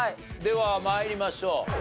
では参りましょう。